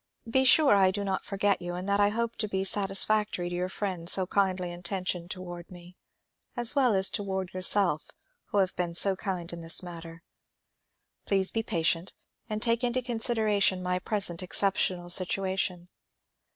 Be sure I do not forget you and that I hope to be satisfac tory to your friend so kindly intentioned toward me as well as toward yourself who have been so kind in this matter. Please be patient and take into consideration my present exceptional situation.